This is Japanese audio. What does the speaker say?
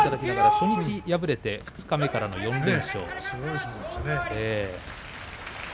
初日敗れて二日目からの４連勝。